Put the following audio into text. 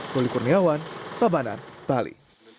wali kurniawan pabanan bali